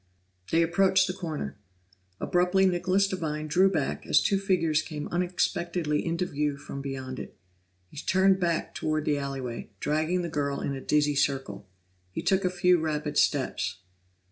They approached the corner; abruptly Nicholas Devine drew back as two figures came unexpectedly into view from beyond it. He turned back toward the alley way, dragging the girl in a dizzy circle. He took a few rapid steps.